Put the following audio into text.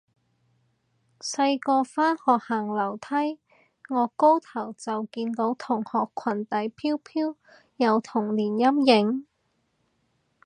細個返學行樓梯，顎高頭就見到同學裙底飄飄，有童年陰影